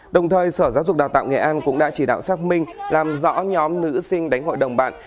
đồng thời sở giáo dục đào tạo nghệ an cũng đã chỉ đạo xác minh làm rõ nhóm nữ sinh đánh hội đồng bạn